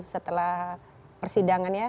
setelah persidangan ya